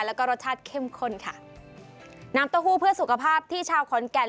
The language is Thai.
แล้วก็รสชาติเข้มข้นค่ะน้ำเต้าหู้เพื่อสุขภาพที่ชาวขอนแก่น